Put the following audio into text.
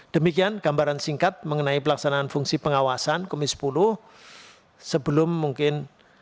demikian gambaran singkat mengenai pelaksanaan fungsi pengawasan refreshing orang php mungkin